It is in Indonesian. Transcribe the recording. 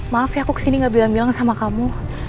maaf ya aku kesini gak bilang bilang sama kamu